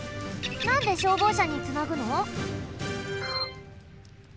なんで消防車につなぐの？